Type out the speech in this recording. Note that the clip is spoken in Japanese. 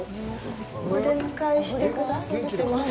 お出迎えしてくださってます。